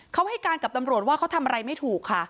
เขาให้การกับตำรวจว่าเขาทำอะไรไม่ถูกค่ะ